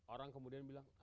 orang kemudian bilang